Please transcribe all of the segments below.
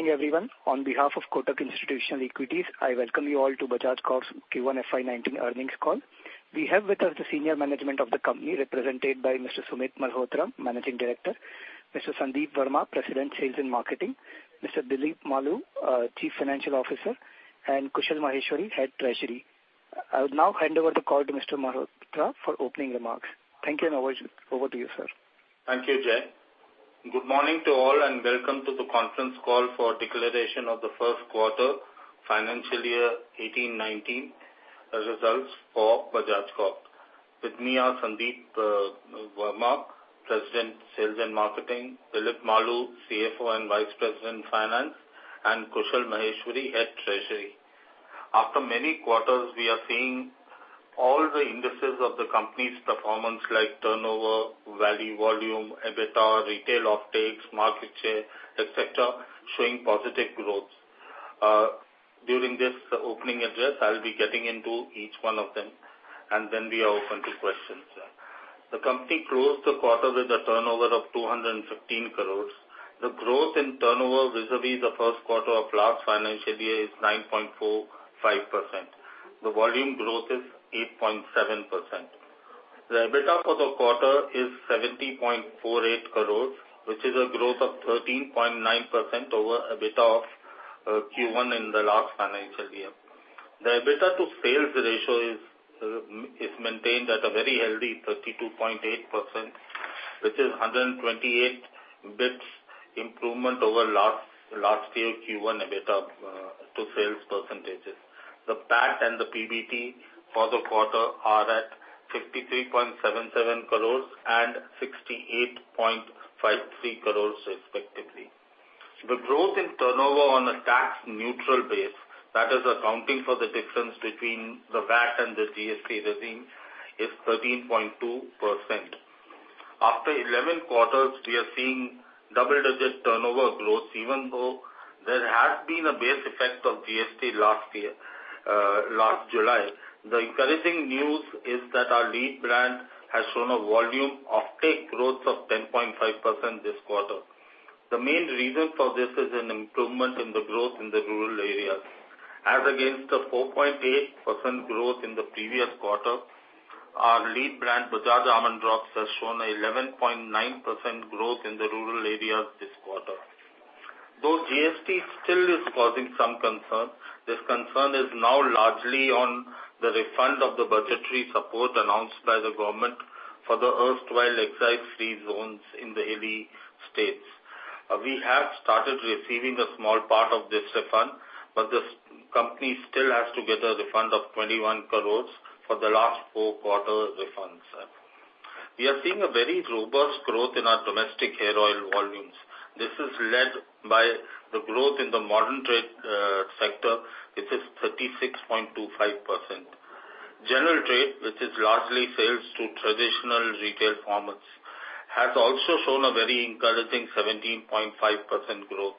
Good evening, everyone. On behalf of Kotak Institutional Equities, I welcome you all to Bajaj Consumer Care's Q1 FY 2019 earnings call. We have with us the senior management of the company, represented by Mr. Sumit Malhotra, Managing Director; Mr. Sandeep Verma, President, Sales and Marketing; Mr. Dilip Maloo, Chief Financial Officer; and Kushal Maheshwari, Head Treasury. I would now hand over the call to Mr. Malhotra for opening remarks. Thank you, and over to you, sir. Thank you, Jay. Good morning to all, welcome to the conference call for declaration of the first quarter financial year 2018-2019 results for Bajaj Consumer Care. With me are Sandeep Verma, President, Sales and Marketing; Dilip Maloo, CFO and Vice President, Finance; and Kushal Maheshwari, Head Treasury. After many quarters, we are seeing all the indices of the company's performance like turnover, value, volume, EBITDA, retail offtakes, market share, et cetera, showing positive growth. During this opening address, I'll be getting into each one of them. Then we are open to questions. The company closed the quarter with a turnover of 215 crores. The growth in turnover vis-à-vis the first quarter of last financial year is 9.45%. The volume growth is 8.7%. The EBITDA for the quarter is 70.48 crores, which is a growth of 13.9% over EBITDA of Q1 in the last financial year. The EBITDA to sales ratio is maintained at a very healthy 32.8%, which is 128 basis points improvement over last year Q1 EBITDA to sales percentages. The PAT and the PBT for the quarter are at 63.77 crores and 68.53 crores respectively. The growth in turnover on a tax-neutral base, that is accounting for the difference between the VAT and the GST regime, is 13.2%. After 11 quarters, we are seeing double-digit turnover growth even though there has been a base effect of GST last year, last July. The encouraging news is that our lead brand has shown a volume offtake growth of 10.5% this quarter. The main reason for this is an improvement in the growth in the rural areas. As against the 4.8% growth in the previous quarter, our lead brand, Bajaj Almond Drops, has shown an 11.9% growth in the rural areas this quarter. GST still is causing some concern, this concern is now largely on the refund of the budgetary support announced by the government for the erstwhile excise-free zones in the hilly states. We have started receiving a small part of this refund, but the company still has to get a refund of 21 crores for the last four quarter refunds. We are seeing a very robust growth in our domestic hair oil volumes. This is led by the growth in the modern trade sector, which is 36.25%. General trade, which is largely sales to traditional retail formats, has also shown a very encouraging 17.5% growth.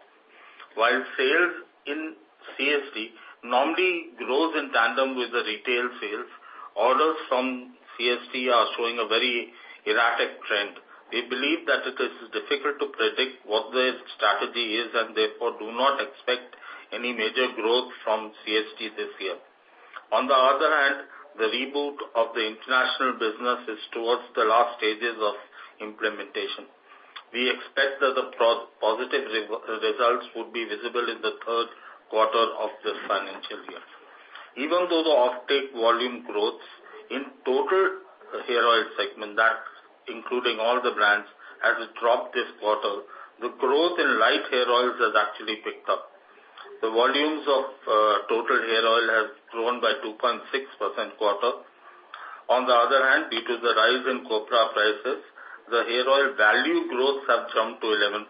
While sales in CSD normally grows in tandem with the retail sales, orders from CSD are showing a very erratic trend. We believe that it is difficult to predict what their strategy is. Therefore do not expect any major growth from CSD this year. The reboot of the international business is towards the last stages of implementation. We expect that the positive results would be visible in the third quarter of this financial year. Even though the offtake volume growth in total hair oil segment, that's including all the brands, has dropped this quarter, the growth in light hair oils has actually picked up. The volumes of total hair oil has grown by 2.6% quarter. On the other hand, due to the rise in copra prices, the hair oil value growth have jumped to 11.3%.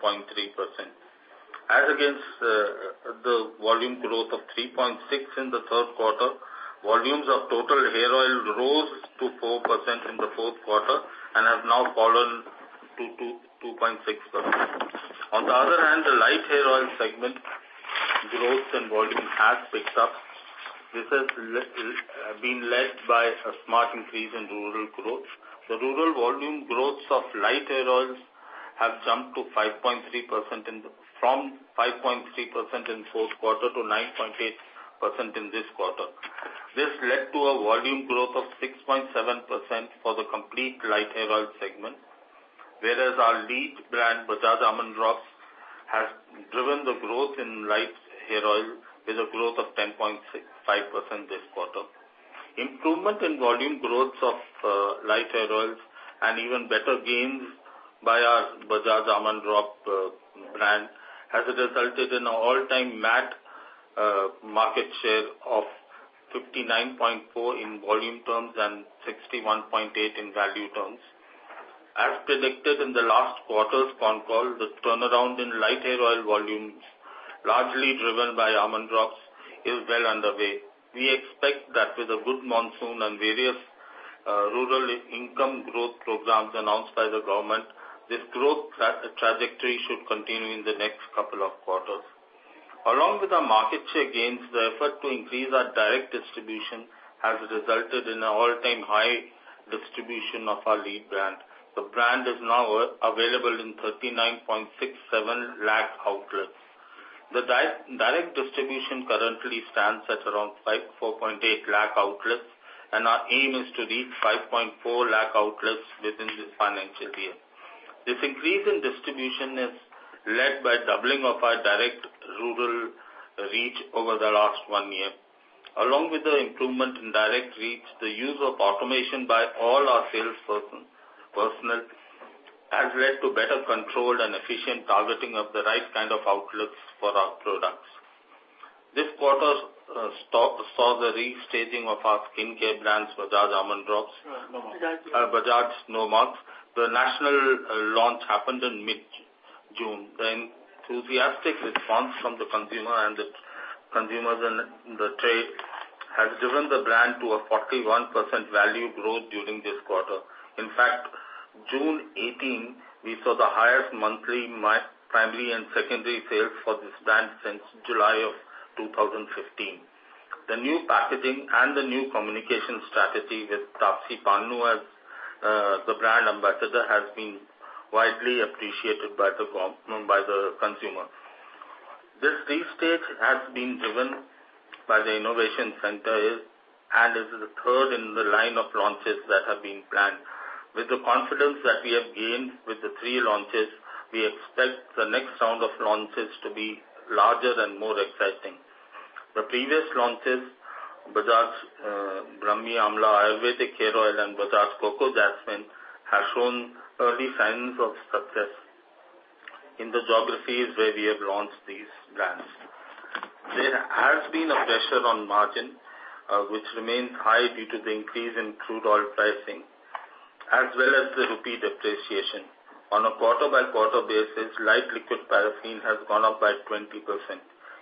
As against the volume growth of 3.6% in the third quarter, volumes of total hair oil rose to 4% in the fourth quarter and have now fallen to 2.6%. On the other hand, the light hair oil segment growth and volume has picked up. This has been led by a smart increase in rural growth. The rural volume growths of light hair oils have jumped from 5.3% in fourth quarter to 9.8% in this quarter. This led to a volume growth of 6.7% for the complete light hair oil segment. Whereas our lead brand, Bajaj Almond Drops, has driven the growth in light hair oil with a growth of 10.5% this quarter. Improvement in volume growths of light hair oils and even better gains by our Bajaj Almond Drops brand has resulted in an all-time MAT market share of 59.4% in volume terms and 61.8% in value terms. As predicted in the last quarter's con call, the turnaround in light hair oil volumes, largely driven by Almond Drops, is well underway. We expect that with a good monsoon and various rural income growth programs announced by the government, this growth trajectory should continue in the next couple of quarters. Along with our market share gains, the effort to increase our direct distribution has resulted in an all-time high distribution of our lead brand. The brand is now available in 39.67 lakh outlets. The direct distribution currently stands at around 4.8 lakh outlets, and our aim is to reach 5.4 lakh outlets within this financial year. This increase in distribution is led by doubling of our direct rural reach over the last one year. Along with the improvement in direct reach, the use of automation by all our sales personnel has led to better controlled and efficient targeting of the right kind of outlets for our products. This quarter saw the restaging of our skin care brands, Bajaj Almond Drops. Bajaj Nomarks. Bajaj Nomarks. The national launch happened in mid-June. The enthusiastic response from the consumer and the consumers in the trade has driven the brand to a 41% value growth during this quarter. In fact, June 2018, we saw the highest monthly primary and secondary sales for this brand since July 2015. The new packaging and the new communication strategy with Taapsee Pannu as the brand ambassador has been widely appreciated by the consumer. This restage has been driven by the innovation center and is the third in the line of launches that have been planned. With the confidence that we have gained with the three launches, we expect the next round of launches to be larger and more exciting. The previous launches, Bajaj Brahmi Amla Ayurvedic Hair Oil and Bajaj Coco Jasmine, have shown early signs of success in the geographies where we have launched these brands. There has been a pressure on margin, which remains high due to the increase in crude oil pricing, as well as the rupee depreciation. On a quarter-by-quarter basis, Light Liquid Paraffin has gone up by 20%.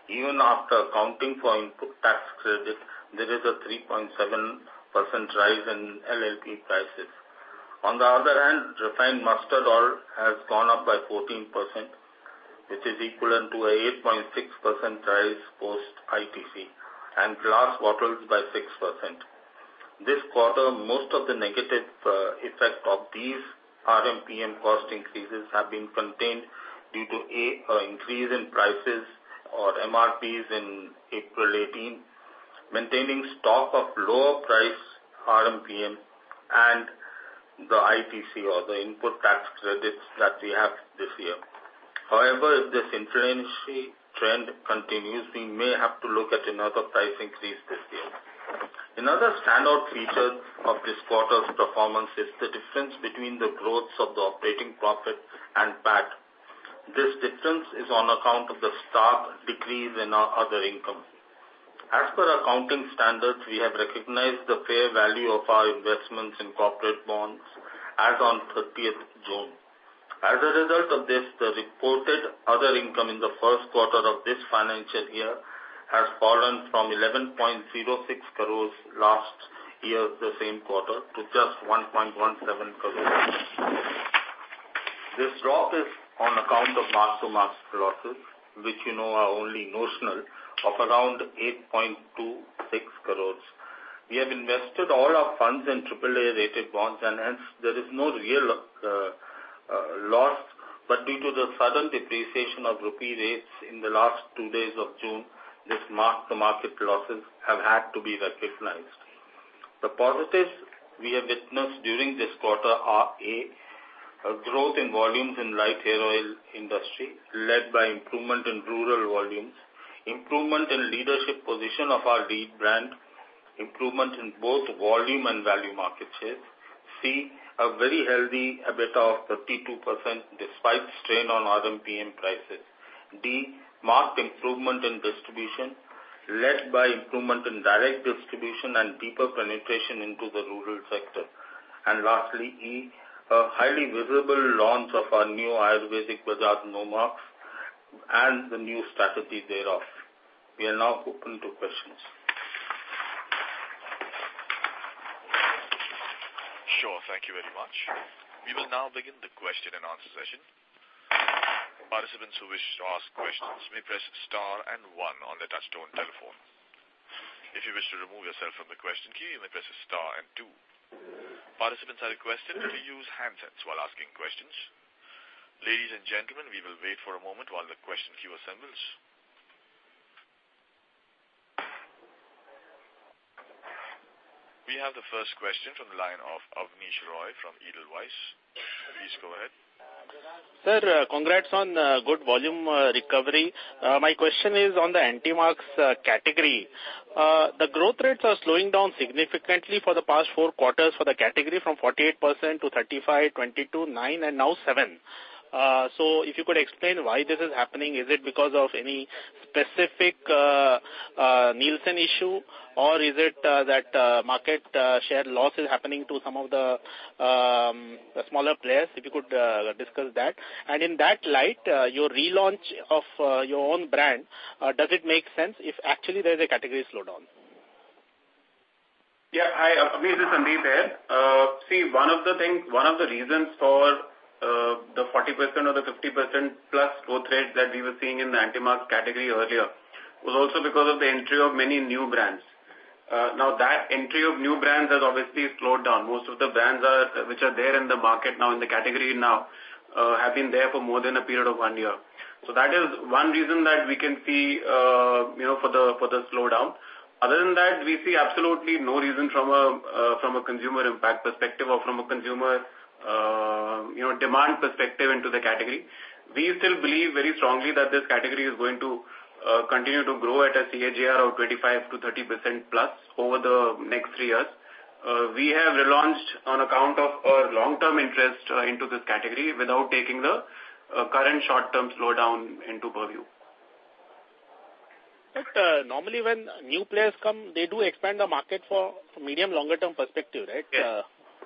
Even after accounting for input tax credit, there is a 3.7% rise in LLP prices. On the other hand, refined mustard oil has gone up by 14%, which is equivalent to a 8.6% rise post ITC, and glass bottles by 6%. This quarter, most of the negative effect of these RMPM cost increases have been contained due to, A, increase in prices or MRPs in April 2018, maintaining stock of lower price RMPM, and the ITC or the input tax credits that we have this year. However, if this trend continues, we may have to look at another price increase this year. Another standout feature of this quarter's performance is the difference between the growths of the operating profit and PAT. This difference is on account of the stark decrease in our other income. As per accounting standards, we have recognized the fair value of our investments in corporate bonds as on 30th June. As a result of this, the reported other income in the first quarter of this financial year has fallen from 11.06 crores last year, the same quarter, to just 1.17 crores. This drop is on account of mark-to-market losses, which are only notional, of around 8.26 crores. We have invested all our funds in AAA-rated bonds, and hence there is no real loss. Due to the sudden depreciation of rupee rates in the last two days of June, these mark-to-market losses have had to be recognized. The positives we have witnessed during this quarter are, A, a growth in volumes in light hair oil industry, led by improvement in rural volumes. Improvement in leadership position of our lead brand. Improvement in both volume and value market shares. C, a very healthy EBITDA of 32% despite strain on RMPM prices. D, marked improvement in distribution led by improvement in direct distribution and deeper penetration into the rural sector. Lastly, E, a highly visible launch of our new Ayurvedic Bajaj Nomarks and the new strategy thereof. We are now open to questions. Sure. Thank you very much. We will now begin the question and answer session. Participants who wish to ask questions may press star and one on their touch-tone telephone. If you wish to remove yourself from the question queue, you may press star and two. Participants are requested to use handsets while asking questions. Ladies and gentlemen, we will wait for a moment while the question queue assembles. We have the first question from the line of Abneesh Roy from Edelweiss. Please go ahead. Sir, congrats on good volume recovery. My question is on the anti-marks category. The growth rates are slowing down significantly for the past four quarters for the category from 48% to 35%, 22%, 9%, and now 7%. If you could explain why this is happening. Is it because of any specific Nielsen issue, or is it that market share loss is happening to some of the smaller players? If you could discuss that. In that light, your relaunch of your own brand, does it make sense if actually there is a category slowdown? Yeah. Hi, Abneesh. This is Sandeep here. See, one of the reasons for 40% or the 50% plus growth rate that we were seeing in the anti-marks category earlier was also because of the entry of many new brands. That entry of new brands has obviously slowed down. Most of the brands which are there in the market now, in the category now, have been there for more than a period of one year. That is one reason that we can see for the slowdown. Other than that, we see absolutely no reason from a consumer impact perspective or from a consumer demand perspective into the category. We still believe very strongly that this category is going to continue to grow at a CAGR of 25%-30% plus over the next three years. We have relaunched on account of our long-term interest into this category without taking the current short-term slowdown into purview. Normally when new players come, they do expand the market for medium longer term perspective, right? Yes.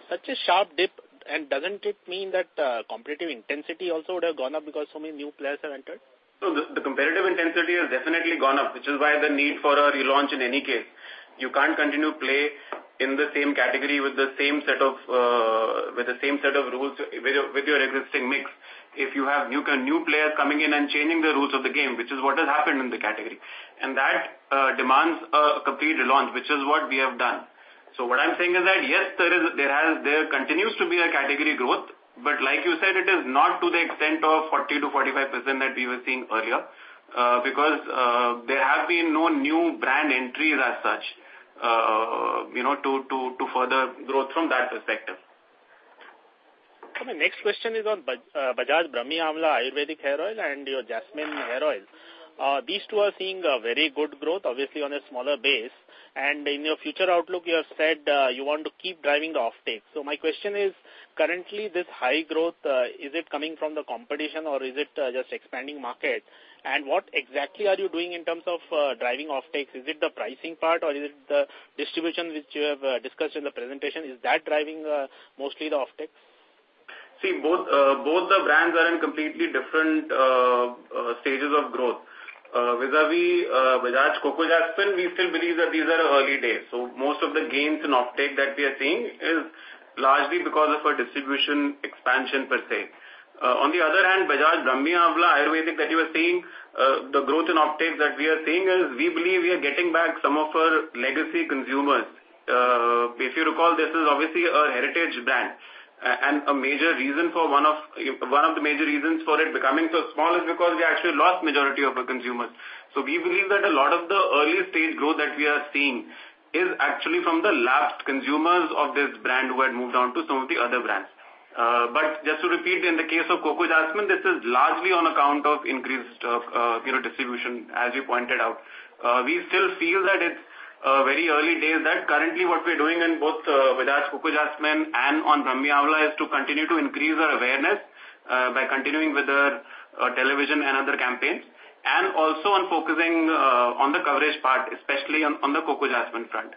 Such a sharp dip, doesn't it mean that competitive intensity also would have gone up because so many new players have entered? The competitive intensity has definitely gone up, which is why the need for a relaunch in any case. You can't continue to play in the same category with the same set of rules, with your existing mix, if you have new players coming in and changing the rules of the game, which is what has happened in the category. That demands a complete relaunch, which is what we have done. What I'm saying is that, yes, there continues to be a category growth, but like you said, it is not to the extent of 40%-45% that we were seeing earlier, because there have been no new brand entries as such to further growth from that perspective. My next question is on Bajaj Brahmi Amla Ayurvedic Hair Oil and your Jasmine hair oil. These two are seeing a very good growth, obviously on a smaller base. In your future outlook, you have said you want to keep driving the offtake. My question is, currently this high growth, is it coming from the competition or is it just expanding market? What exactly are you doing in terms of driving offtake? Is it the pricing part or is it the distribution which you have discussed in the presentation? Is that driving mostly the offtake? Both the brands are in completely different stages of growth. Vis-a-vis Bajaj Coco Jasmine, we still believe that these are early days. Most of the gains in offtake that we are seeing is largely because of a distribution expansion per se. On the other hand, Bajaj Brahmi Amla Ayurvedic that you are seeing, the growth in offtake that we are seeing is we believe we are getting back some of our legacy consumers. If you recall, this is obviously a heritage brand, and one of the major reasons for it becoming so small is because we actually lost majority of our consumers. We believe that a lot of the early-stage growth that we are seeing is actually from the lapsed consumers of this brand who had moved on to some of the other brands. Just to repeat, in the case of Coco Jasmine, this is largely on account of increased distribution, as you pointed out. We still feel that it's very early days. Currently, what we're doing in both Bajaj Coco Jasmine and on Brahmi Amla is to continue to increase our awareness by continuing with our television and other campaigns, and also on focusing on the coverage part, especially on the Coco Jasmine front.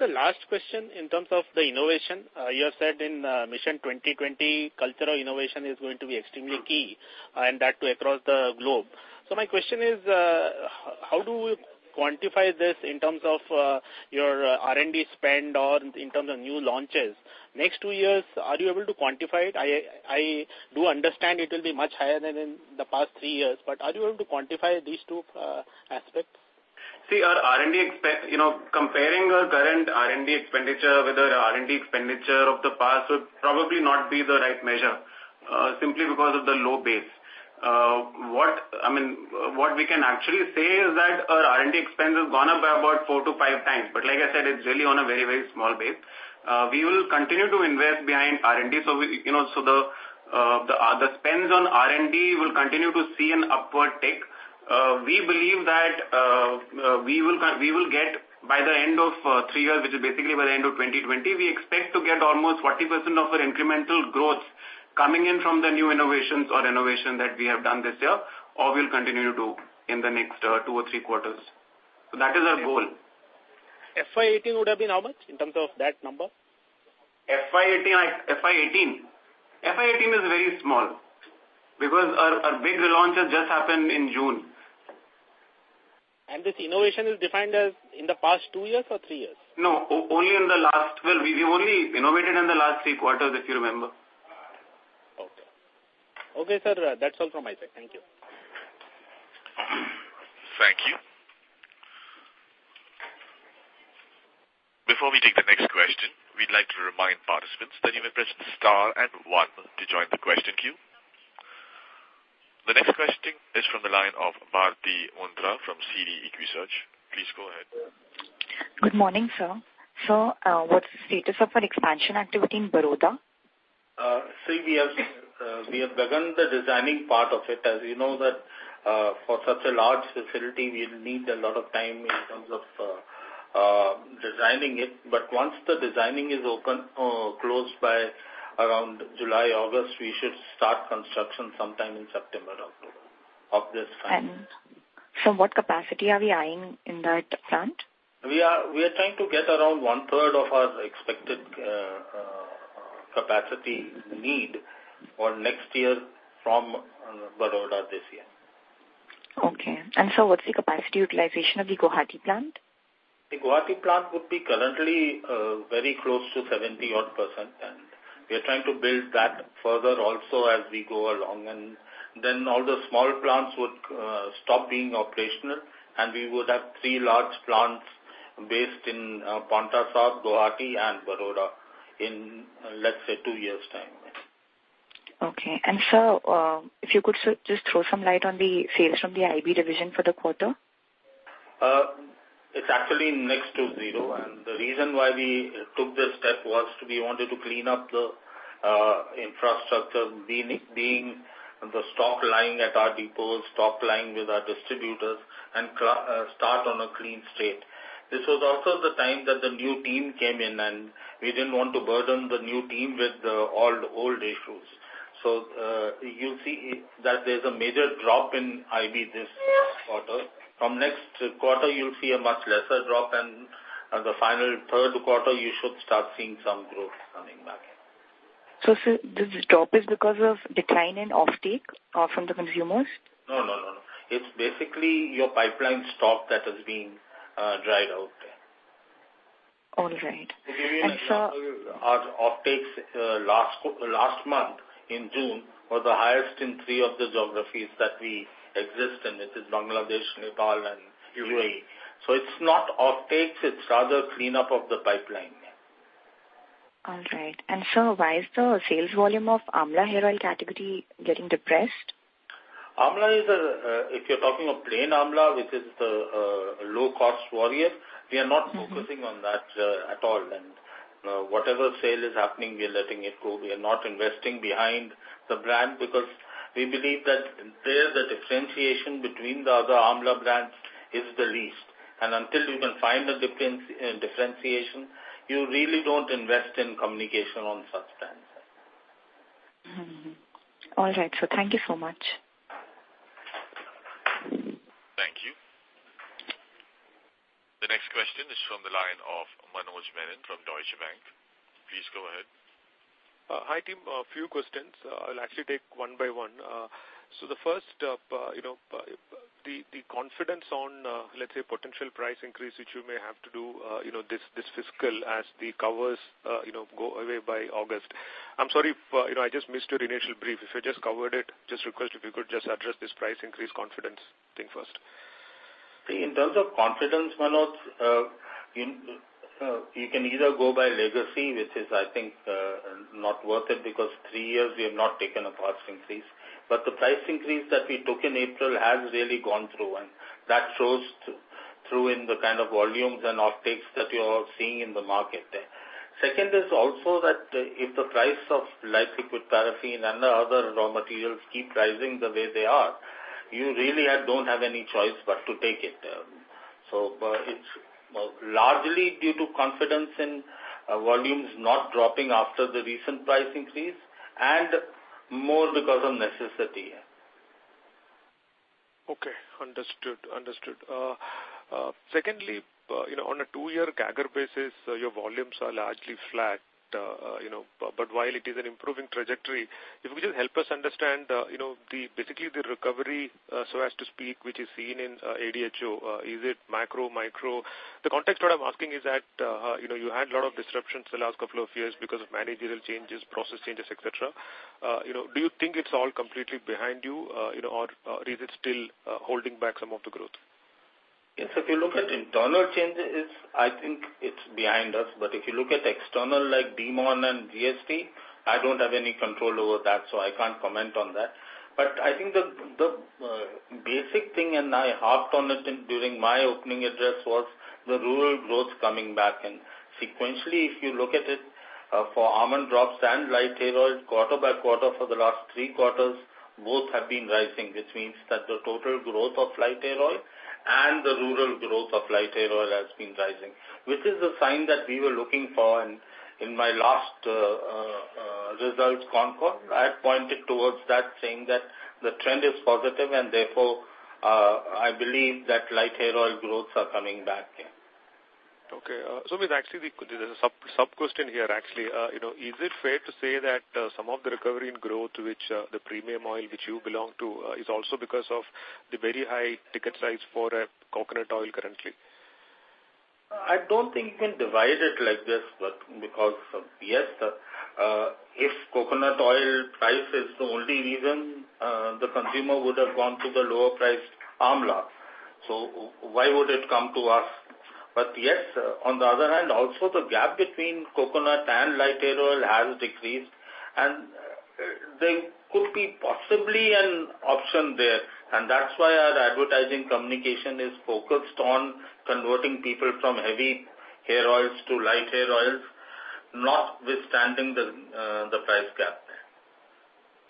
The last question in terms of the innovation. You have said in Mission 2020, cultural innovation is going to be extremely key, and that too across the globe. My question is, how do we quantify this in terms of your R&D spend or in terms of new launches? Next two years, are you able to quantify it? I do understand it will be much higher than in the past three years, but are you able to quantify these two aspects? Comparing our current R&D expenditure with the R&D expenditure of the past would probably not be the right measure, simply because of the low base. What we can actually say is that our R&D expense has gone up by about four to five times, but like I said, it's really on a very small base. We will continue to invest behind R&D, the spends on R&D will continue to see an upward tick. We believe that we will get by the end of three years, which is basically by the end of 2020, we expect to get almost 40% of our incremental growth coming in from the new innovations or innovation that we have done this year or we'll continue to do in the next two or three quarters. That is our goal. FY 2018 would have been how much in terms of that number? FY 2018 is very small, because our big relaunch has just happened in June. This innovation is defined as in the past two years or three years? No, only in the last Well, we've only innovated in the last three quarters, if you remember. Okay. Okay, sir. That's all from my side. Thank you. Thank you. Before we take the next question, we'd like to remind participants that you may press star and one to join the question queue. The next question is from the line of Bharti Mundhara from CD Equisearch. Please go ahead. Good morning, sir. Sir, what's the status of our expansion activity in Baroda? See, we have begun the designing part of it. As you know that for such a large facility, we'll need a lot of time in terms of designing it. Once the designing is closed by around July, August, we should start construction sometime in September, October of this calendar year. What capacity are we eyeing in that plant? We are trying to get around one third of our expected capacity need for next year from Baroda this year. Okay. Sir, what's the capacity utilization of the Guwahati plant? The Guwahati plant would be currently very close to 70 odd %, and we are trying to build that further also as we go along. Then all the small plants would stop being operational, and we would have three large plants based in Pantnagar, Guwahati, and Baroda in, let's say, two years' time. Okay. Sir, if you could just throw some light on the sales from the IB division for the quarter. It's actually next to zero. The reason why we took this step was we wanted to clean up the infrastructure, being the stock lying at our depots, stock lying with our distributors, and start on a clean state. This was also the time that the new team came in. We didn't want to burden the new team with the old issues. You'll see that there's a major drop in IB this quarter. From next quarter, you'll see a much lesser drop. The final third quarter, you should start seeing some growth coming back. Sir, this drop is because of decline in offtake from the consumers? No, it's basically your pipeline stock that has been dried out. All right. Sir. Our offtakes last month, in June, was the highest in three of the geographies that we exist in. It is Bangladesh, Nepal, and UAE. It's not offtakes, it's rather cleanup of the pipeline. All right. Sir, why is the sales volume of Amla hair oil category getting depressed? Amla, if you're talking of plain Amla, which is the low-cost warrior, we are not focusing on that at all. Whatever sale is happening, we are letting it go. We are not investing behind the brand because we believe that there, the differentiation between the other Amla brands is the least. Until you can find a differentiation, you really don't invest in communication on such brands. All right, sir. Thank you so much. Thank you. The next question is from the line of Manoj Menon from Deutsche Bank. Please go ahead. Hi, team. A few questions. I'll actually take one by one. The first, the confidence on, let's say, potential price increase, which you may have to do this fiscal as the covers go away by August. I'm sorry if I just missed your initial brief. If you just covered it, just request if you could just address this price increase confidence thing first. In terms of confidence, Manoj, you can either go by legacy, which is, I think, not worth it because three years we have not taken a price increase. The price increase that we took in April has really gone through, and that shows through in the kind of volumes and offtakes that you're seeing in the market. Second is also that if the price of Light Liquid Paraffin and the other raw materials keep rising the way they are, you really don't have any choice but to take it. It's largely due to confidence in volumes not dropping after the recent price increase, and more because of necessity. Okay. Understood. Secondly, on a two-year CAGR basis, your volumes are largely flat. While it is an improving trajectory, if you could just help us understand basically the recovery, so as to speak, which is seen in ADHO. Is it macro, micro? The context what I'm asking is that, you had a lot of disruptions the last couple of years because of managerial changes, process changes, et cetera. Do you think it's all completely behind you? Or is it still holding back some of the growth? Yes, if you look at internal changes, I think it's behind us. If you look at external like DeMon and GST, I don't have any control over that, so I can't comment on that. I think the basic thing, and I harped on it during my opening address, was the rural growth coming back. Sequentially, if you look at it for Almond Drops and light hair oil, quarter by quarter for the last 3 quarters, both have been rising, which means that the total growth of light hair oil and the rural growth of light hair oil has been rising, which is the sign that we were looking for. In my last results concall, I had pointed towards that saying that the trend is positive, and therefore, I believe that light hair oil growths are coming back. Okay. There's a sub-question here, actually. Is it fair to say that some of the recovery in growth, which the premium oil which you belong to, is also because of the very high ticket price for coconut oil currently? I don't think you can divide it like this, because, yes, if coconut oil price is the only reason, the consumer would have gone to the lower priced Amla. Why would it come to us? Yes, on the other hand, also the gap between coconut and light hair oil has decreased, and there could be possibly an option there. That's why our advertising communication is focused on converting people from heavy hair oils to light hair oils, notwithstanding the price gap.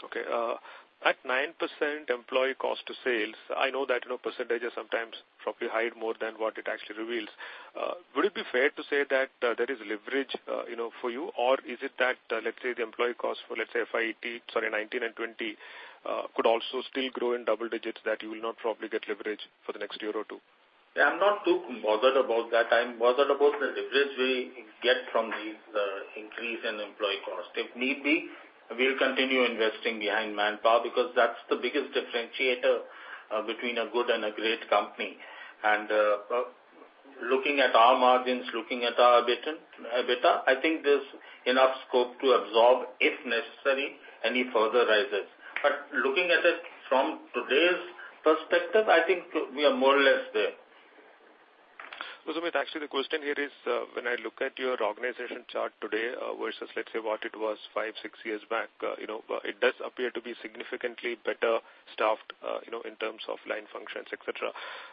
Okay. At 9% employee cost to sales, I know that percentages sometimes probably hide more than what it actually reveals. Would it be fair to say that there is leverage for you? Or is it that, let's say, the employee cost for, let's say, FY 2019 and 2020 could also still grow in double digits, that you will not probably get leverage for the next year or two? Yeah, I'm not too bothered about that. I'm bothered about the leverage we get from this increase in employee cost. If need be, we'll continue investing behind manpower because that's the biggest differentiator between a good and a great company. Looking at our margins, looking at our EBITDA, I think there's enough scope to absorb, if necessary, any further rises. Looking at it from today's perspective, I think we are more or less there. Sumit, actually, the question here is, when I look at your organization chart today versus, let's say what it was five, six years back, it does appear to be significantly better staffed in terms of line functions, et cetera.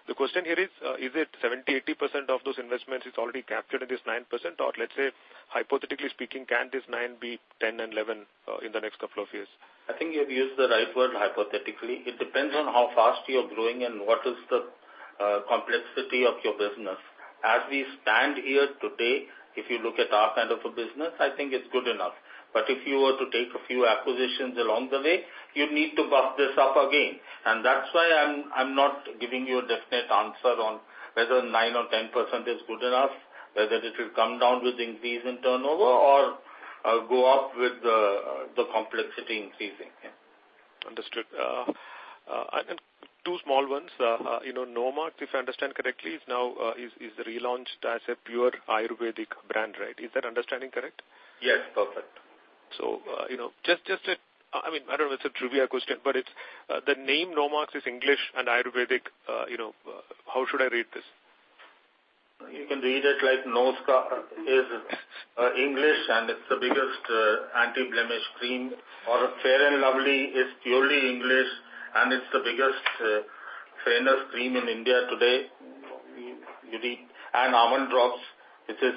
The question here is it 70%, 80% of those investments is already captured in this 9%? Or let's say, hypothetically speaking, can this nine be 10 and 11 in the next couple of years? I think you have used the right word, hypothetically. It depends on how fast you're growing and what is the complexity of your business. As we stand here today, if you look at our kind of a business, I think it's good enough. If you were to take a few acquisitions along the way, you need to buff this up again. That's why I'm not giving you a definite answer on whether 9% or 10% is good enough, whether it will come down with increase in turnover or go up with the complexity increasing. Understood. Then two small ones. Nomarks, if I understand correctly, now is relaunched as a pure Ayurvedic brand, right? Is that understanding correct? Yes, perfect. I don't know if it's a trivia question, but the name Nomarks is English and Ayurvedic, how should I read this? You can read it like No Scars is English and it's the biggest anti-blemish cream, or Fair & Lovely is purely English and it's the biggest fairness cream in India today. Almond Drops, which is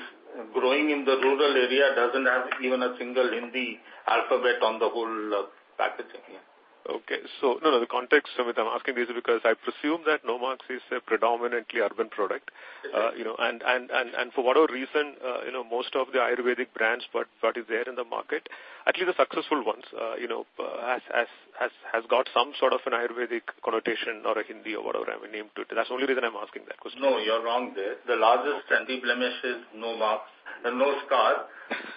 growing in the rural area, doesn't have even a single Hindi alphabet on the whole packaging. Okay. The context, Sumit, I'm asking this because I presume that Nomarks is a predominantly urban product. Exactly. For whatever reason, most of the Ayurvedic brands, what is there in the market, at least the successful ones, has got some sort of an Ayurvedic connotation or a Hindi or whatever name to it. That's the only reason I'm asking that question. No, you're wrong there. The largest anti-blemish is No Scars.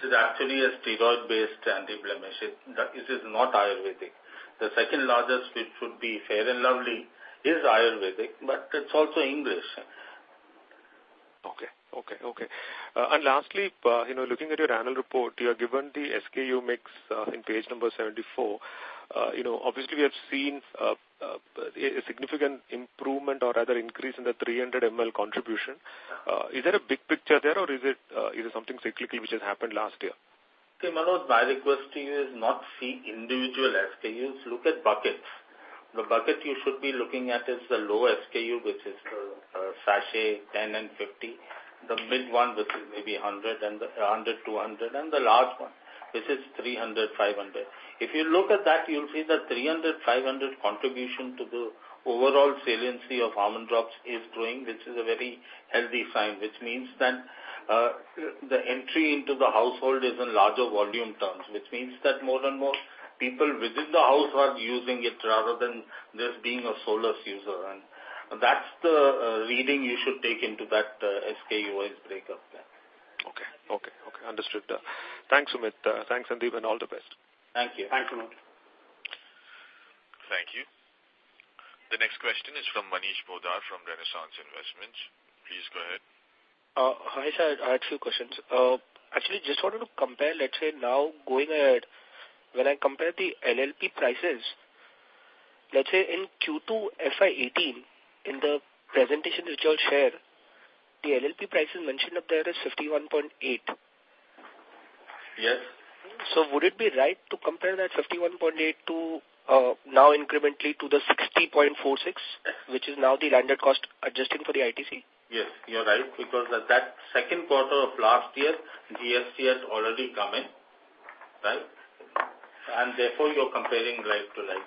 It is actually a steroid-based anti-blemish. It is not Ayurvedic. The second largest, which would be Fair & Lovely, is Ayurvedic, but it's also English. Okay. Lastly, looking at your annual report, you have given the SKU mix in page number 74. Obviously, we have seen a significant improvement or rather increase in the 300 ml contribution. Is there a big picture there or is it something cyclical which has happened last year? Okay, Manoj, my request to you is not see individual SKUs, look at buckets. The bucket you should be looking at is the low SKU, which is sachet 10 and 50, the mid one, which is maybe 100, 200, and the large one, which is 300, 500. If you look at that, you'll see the 300, 500 contribution to the overall saliency of Almond Drops is growing, which is a very healthy sign, which means that the entry into the household is in larger volume terms, which means that more and more people within the house are using it rather than just being a sole user. That's the reading you should take into that SKU-wise breakup there. Okay. Understood. Thanks, Sumit. Thanks, Sandeep, and all the best. Thank you. Thank you. The next question is from Manish Poddar from Renaissance Investments. Please go ahead. Hi, sir, I had few questions. Actually, just wanted to compare, let's say now going ahead, when I compare the LLP prices, let's say in Q2 FY 2018, in the presentation which you all share, the LLP prices mentioned up there is 51.8. Yes. Would it be right to compare that 51.8 now incrementally to the 60.46, which is now the landed cost adjusting for the ITC? Yes, you're right, because at that second quarter of last year, GST has already come in. Right? Therefore you're comparing like to like.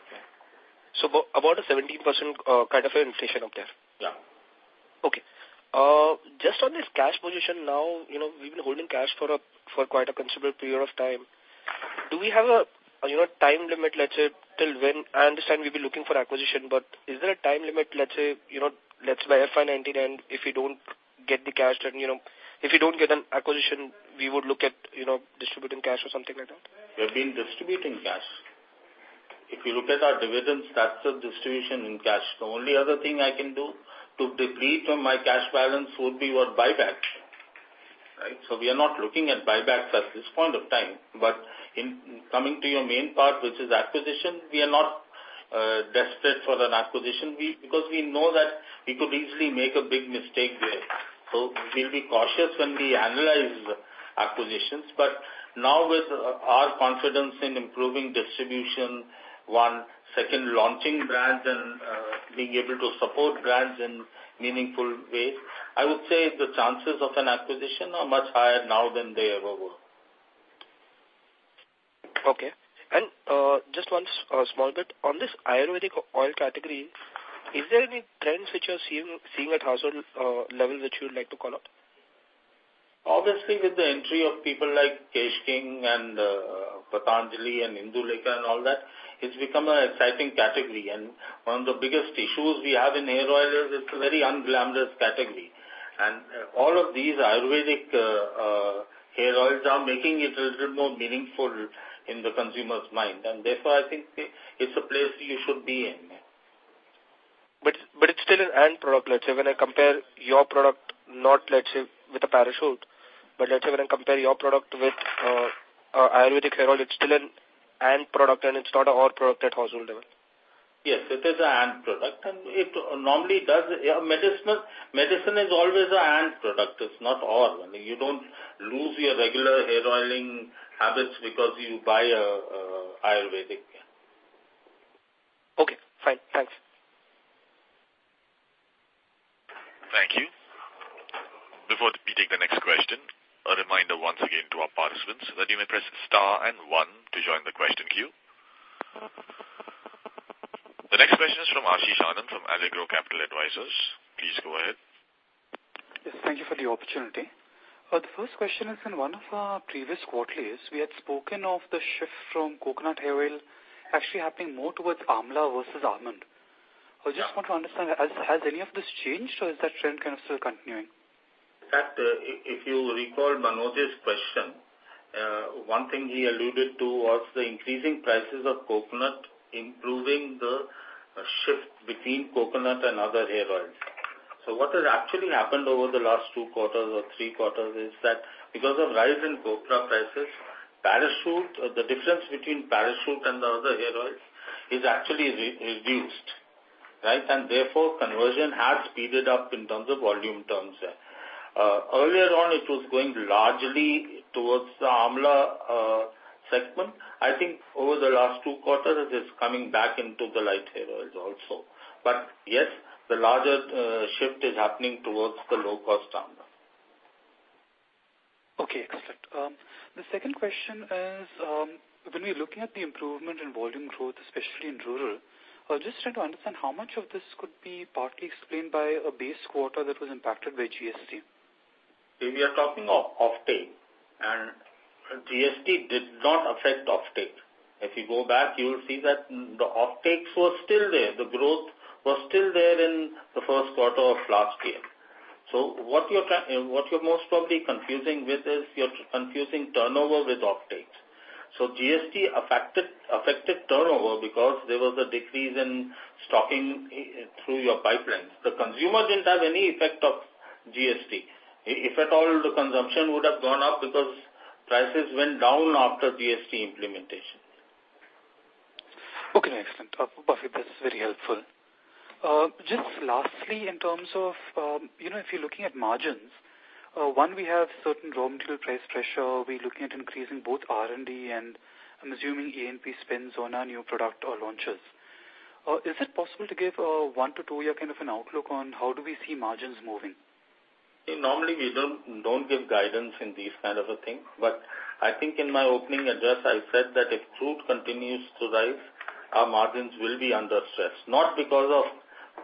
About a 17% kind of an inflation up there. Yeah. Okay. Just on this cash position now, we've been holding cash for quite a considerable period of time. Do we have a time limit, let's say, till when? I understand we'll be looking for acquisition. Is there a time limit, let's say, by FY 2019, and if we don't get the cash then, if we don't get an acquisition, we would look at distributing cash or something like that? We've been distributing cash. If you look at our dividends, that's the distribution in cash. The only other thing I can do to deplete from my cash balance would be what? Buyback. We are not looking at buybacks at this point of time. Coming to your main part, which is acquisition, we are not desperate for an acquisition, because we know that we could easily make a big mistake there. We'll be cautious when we analyze acquisitions. Now with our confidence in improving distribution, one, second, launching brands and being able to support brands in meaningful ways, I would say the chances of an acquisition are much higher now than they ever were. Okay. Just one small bit. On this Ayurvedic oil category, is there any trends which you're seeing at household level which you'd like to call out? Obviously, with the entry of people like Kesh King and Patanjali and Indulekha and all that, it's become an exciting category. One of the biggest issues we have in hair oil is it's a very unglamorous category. All of these Ayurvedic hair oils are making it a little more meaningful in the consumer's mind, and therefore, I think it's a place you should be in. It's still an and product. Let's say, when I compare your product, not let's say with a Parachute, but let's say when I compare your product with Ayurvedic hair oil, it's still an and product and it's not a or product at household level. Yes, it is an and product. Medicine is always an and product. It's not or. You don't lose your regular hair oiling habits because you buy Ayurvedic. Okay, fine. Thanks. Thank you. Before we take the next question, a reminder once again to our participants that you may press star and one to join the question queue. The next question is from Ashish Anand of Allegro Capital Advisors. Please go ahead. Yes, thank you for the opportunity. The first question is, in one of our previous quarterlies, we had spoken of the shift from coconut hair oil actually happening more towards amla versus almond. Yeah. I just want to understand, has any of this changed or is that trend kind of still continuing? In fact, if you recall Manoj's question, one thing he alluded to was the increasing prices of coconut improving the shift between coconut and other hair oils. What has actually happened over the last two quarters or three quarters is that because of rise in coconut prices, the difference between Parachute and the other hair oils is actually reduced. Right? Therefore, conversion has speeded up in terms of volume terms there. Earlier on, it was going largely towards the amla segment. I think over the last two quarters, it is coming back into the light hair oils also. Yes, the larger shift is happening towards the low-cost amla. Okay, excellent. The second question is, when we are looking at the improvement in volume growth, especially in rural, I'm just trying to understand how much of this could be partly explained by a base quarter that was impacted by GST. We are talking of offtake, GST did not affect offtake. If you go back, you will see that the offtakes were still there. The growth was still there in the first quarter of last year. What you're most probably confusing with is, you're confusing turnover with offtakes. GST affected turnover because there was a decrease in stocking through your pipeline. The consumer didn't have any effect of GST. If at all, the consumption would have gone up because prices went down after GST implementation. Okay, excellent. Sumit, that's very helpful. Just lastly, in terms of if you're looking at margins, one, we have certain raw material price pressure. We're looking at increasing both R&D and I'm assuming A&P spends on our new product or launches. Is it possible to give a one to two-year kind of an outlook on how do we see margins moving? Normally, we don't give guidance in these kind of a thing. I think in my opening address, I said that if crude continues to rise, our margins will be under stress, not because of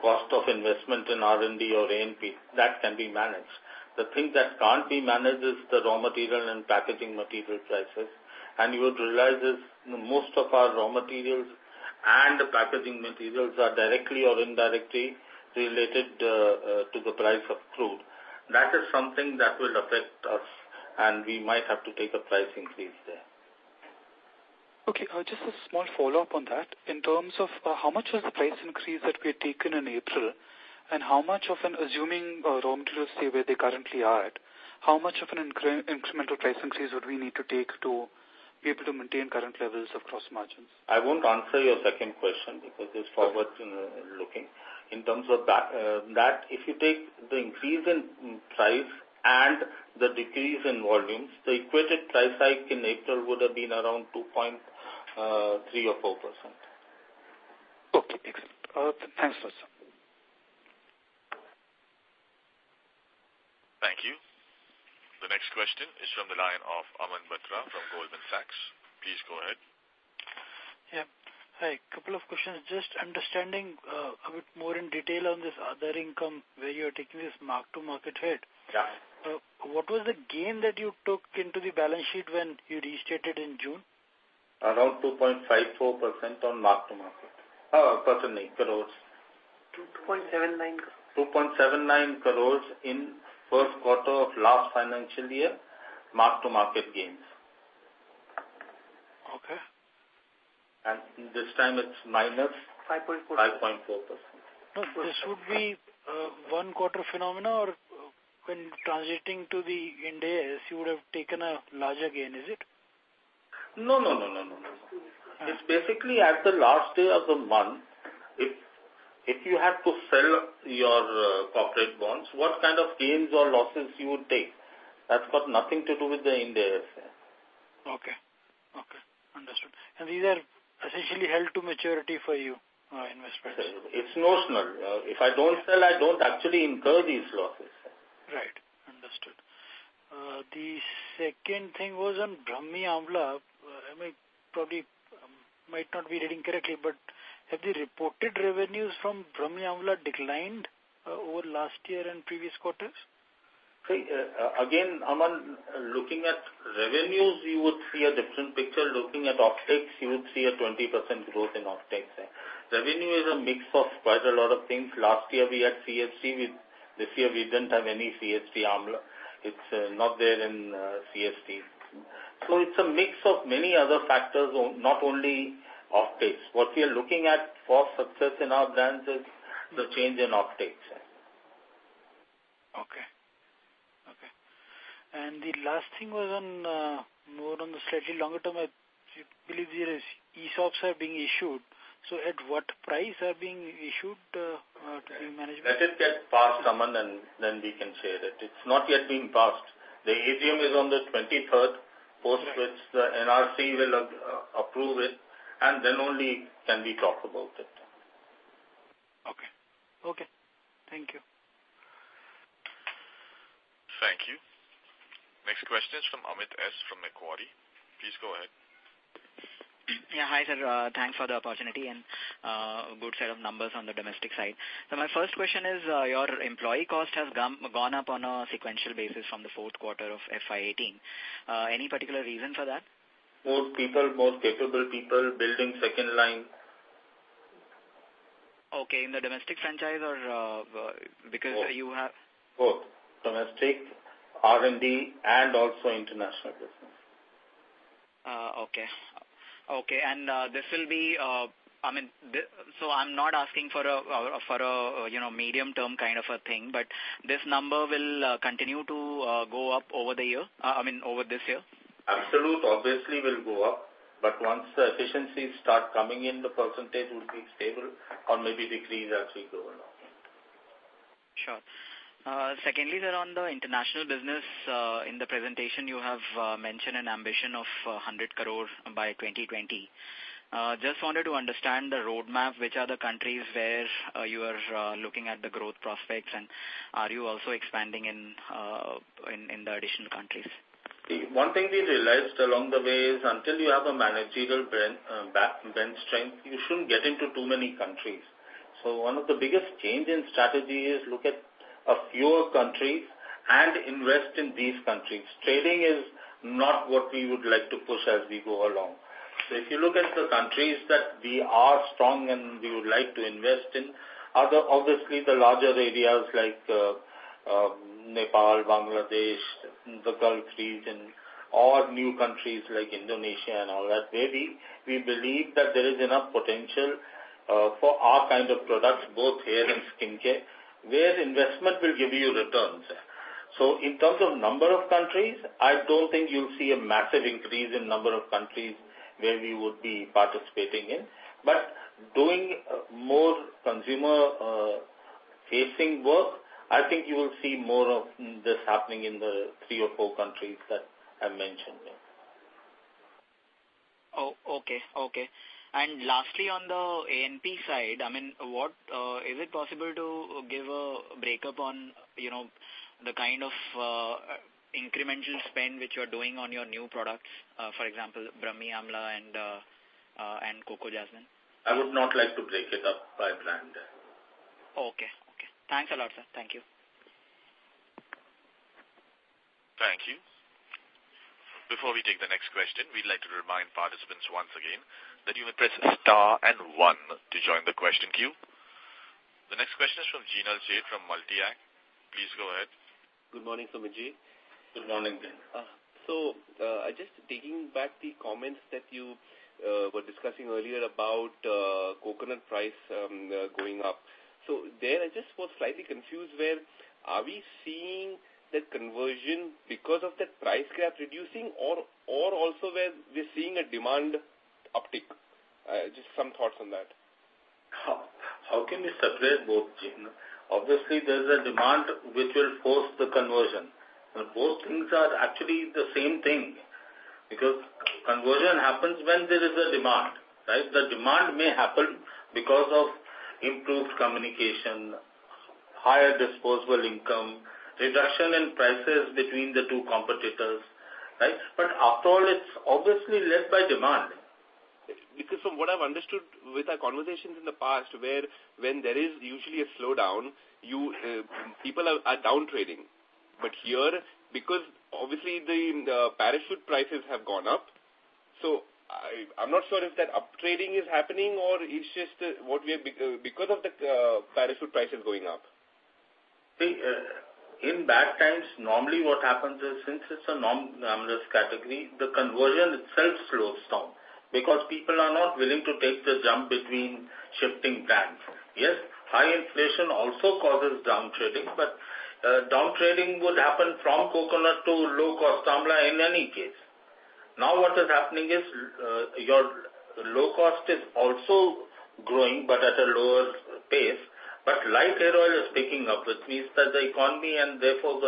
cost of investment in R&D or A&P. That can be managed. The thing that can't be managed is the raw material and packaging material prices. You would realize is most of our raw materials and the packaging materials are directly or indirectly related to the price of crude. That is something that will affect us, and we might have to take a price increase there. Okay. Just a small follow-up on that. In terms of how much was the price increase that we had taken in April, how much of an assuming raw materials stay where they currently are at, how much of an incremental price increase would we need to take to be able to maintain current levels of gross margins? I won't answer your second question because it's forward-looking. In terms of that, if you take the increase in price and the decrease in volumes, the equated price hike in April would have been around 2.3% or 4%. Okay, excellent. Thanks, Bhavesh. Thank you. The next question is from the line of Aman Batra from Goldman Sachs. Please go ahead. Yeah. Hi, couple of questions. Just understanding a bit more in detail on this other income where you're taking this mark-to-market hit. Yeah. What was the gain that you took into the balance sheet when you restated in June? Around 2.54% on mark-to-market. Not percent, INR crores. 2.79 crores. 2.79 crores in first quarter of last financial year, mark-to-market gains. Okay. this time it's minus. 5.4 5.4%. This would be a one-quarter phenomena or when transitioning to the IND AS, you would have taken a larger gain, is it? No. It's basically at the last day of the month, if you have to sell your corporate bonds, what kind of gains or losses you would take. That's got nothing to do with the IND AS. Okay. Understood. These are essentially held to maturity for your investments. It's notional. If I don't sell, I don't actually incur these losses. Right. Understood. The second thing was on Bajaj Brahmi Amla. I mean, probably I might not be reading correctly, but have the reported revenues from Bajaj Brahmi Amla declined over last year and previous quarters? Aman, looking at revenues, you would see a different picture. Looking at offtakes, you would see a 20% growth in offtakes. Revenue is a mix of quite a lot of things. Last year we had CSD. This year we didn't have any CSD Amla. It's not there in CSD. It's a mix of many other factors, not only offtakes. What we are looking at for success in our brands is the change in offtakes. Okay. The last thing was on more on the slightly longer term. I believe the ESOPs are being issued. At what price are being issued to the management? Let it get passed, Aman, then we can share it. It's not yet been passed. The AGM is on the 23rd. Right Post which the NRC will approve it, then only can we talk about it. Okay. Thank you. Thank you. Next question is from Amit S. from Macquarie. Please go ahead. Yeah. Hi, sir. Thanks for the opportunity. Good set of numbers on the domestic side. My first question is, your employee cost has gone up on a sequential basis from the fourth quarter of FY 2018. Any particular reason for that? More people, more capable people, building second line. Okay. In the domestic franchise or because you have Both. Domestic, R&D, also international business. Okay. I'm not asking for a medium term kind of a thing, but this number will continue to go up over this year? Absolute obviously will go up, once the efficiencies start coming in, the percentage will be stable or maybe decrease as we go along. Sure. Secondly, sir, on the international business, in the presentation you have mentioned an ambition of 100 crores by 2020. Just wanted to understand the roadmap. Which are the countries where you are looking at the growth prospects, and are you also expanding in the additional countries? One thing we realized along the way is until you have a managerial bench strength, you shouldn't get into too many countries. One of the biggest change in strategy is look at a fewer countries and invest in these countries. Trading is not what we would like to push as we go along. If you look at the countries that we are strong and we would like to invest in, are obviously the larger areas like Nepal, Bangladesh, the Gulf region, or new countries like Indonesia and all that, where we believe that there is enough potential for our kind of products, both hair and skin care, where investment will give you returns. In terms of number of countries, I don't think you'll see a massive increase in number of countries where we would be participating in. Doing more consumer-facing work, I think you will see more of this happening in the three or four countries that I mentioned there. Okay. Lastly, on the A&P side, is it possible to give a breakup on the kind of incremental spend which you're doing on your new products, for example, Brahmi Amla and Coco Jasmine? I would not like to break it up by brand. Okay. Thanks a lot, sir. Thank you. Thank you. Before we take the next question, we would like to remind participants once again that you may press star and one to join the question queue. The next question is from Jinal Sheth from Multi-Act. Please go ahead. Good morning, Sumit Ji. Good morning. Just digging back the comments that you were discussing earlier about coconut price going up. There I just was slightly confused where, are we seeing that conversion because of the price gap reducing or also where we are seeing a demand uptick? Just some thoughts on that. How can we separate both, Jinal? Obviously, there is a demand which will force the conversion. Both things are actually the same thing because conversion happens when there is a demand. The demand may happen because of improved communication, higher disposable income, reduction in prices between the two competitors. After all, it is obviously led by demand. From what I've understood with our conversations in the past, where when there is usually a slowdown, people are downtrading. Here, because obviously the Parachute prices have gone up. I'm not sure if that uptrading is happening or it's just because of the Parachute prices going up. See, in bad times, normally what happens is, since it's a no-name category, the conversion itself slows down because people are not willing to take the jump between shifting brands. Yes, high inflation also causes downtrading would happen from coconut to low-cost amla in any case. What is happening is your low cost is also growing but at a lower pace, light hair oil is picking up, which means that the economy and therefore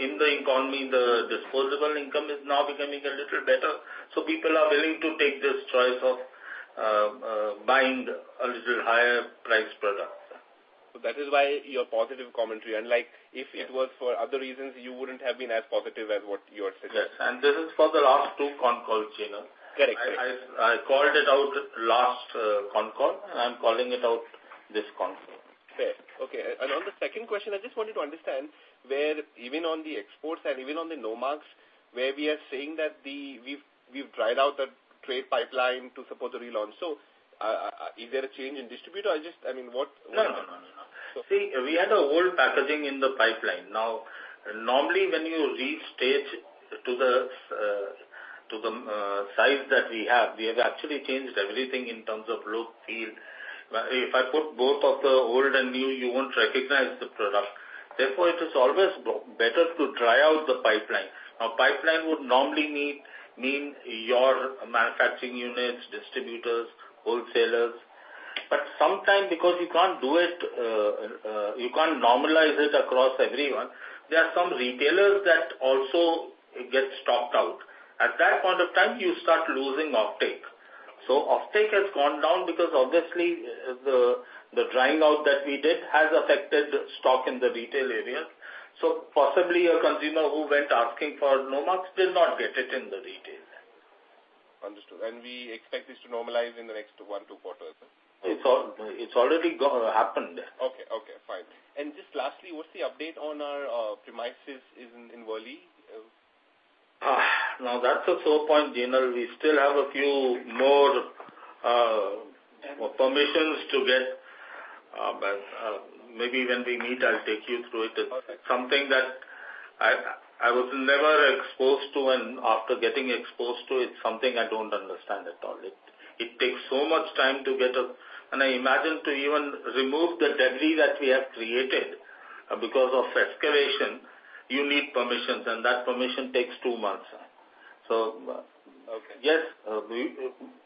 in the economy, the disposable income is now becoming a little better, people are willing to take this choice of buying a little higher priced product. That is why your positive commentary. If it was for other reasons, you wouldn't have been as positive as what you are suggesting. Yes. This is for the last two con calls, Jinal. Correct. I called it out last con call, and I'm calling it out this con call. Fair. Okay. On the second question, I just wanted to understand where, even on the exports and even on the Nomarks, where we are saying that we've tried out the trade pipeline to support the relaunch. Is there a change in distributor? No. See, we had a whole packaging in the pipeline. Normally, when you restage to the size that we have, we have actually changed everything in terms of look, feel. If I put both of the old and new, you won't recognize the product. It is always better to try out the pipeline. Pipeline would normally mean your manufacturing units, distributors, wholesalers. Sometimes because you can't normalize it across everyone, there are some retailers that also get stocked out. At that point of time, you start losing offtake. Offtake has gone down because obviously the trying out that we did has affected stock in the retail areas. Possibly a consumer who went asking for Nomarks did not get it in the retail. Understood. We expect this to normalize in the next one to four quarters. It's already happened. Okay, fine. Just lastly, what's the update on our premises in Worli? Now that's a sore point, Jinal. We still have a few more permissions to get. Maybe when we meet, I'll take you through it. Perfect. Something that I was never exposed to, after getting exposed to it, something I don't understand at all. It takes so much time. I imagine to even remove the debris that we have created because of excavation, you need permissions, and that permission takes two months. Okay. Yes,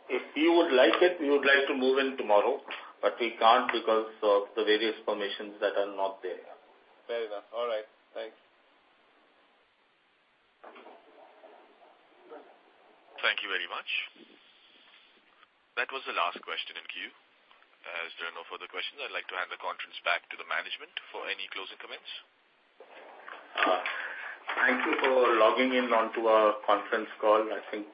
if we would like it, we would like to move in tomorrow, but we can't because of the various permissions that are not there. Fair enough. All right. Thanks. Thank you very much. That was the last question in queue. As there are no further questions, I'd like to hand the conference back to the management for any closing comments. Thank you for logging in onto our conference call. I think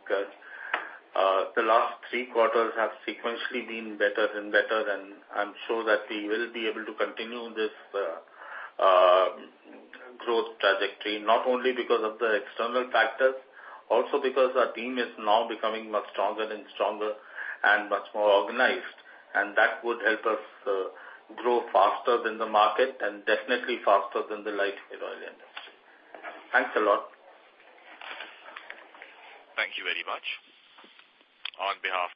the last three quarters have sequentially been better and better. I'm sure that we will be able to continue this growth trajectory, not only because of the external factors, also because our team is now becoming much stronger and stronger and much more organized. That would help us grow faster than the market and definitely faster than the hair oil industry. Thanks a lot. Thank you very much. On behalf of